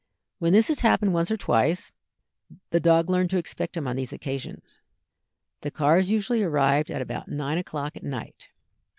When this had happened once or twice, the dog learned to expect him on these occasions. The cars usually arrived at about nine o'clock at night.